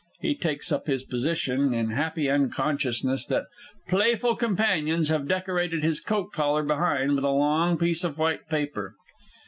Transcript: [_He takes up his position, in happy unconsciousness that playful companions have decorated his coat collar behind with a long piece of white paper.